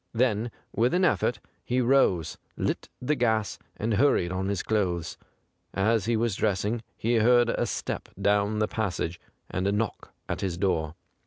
Then with an effort he rose, lit the gas, and hurried on his clothes. As he was dressing, he heard a step down the passage and a knock at his door.